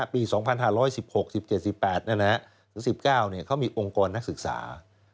ปี๒๕๑๖๑๗๑๘ถึง๑๙เขามีองค์กรนักศึกษา